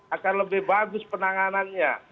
akan lebih bagus penanganannya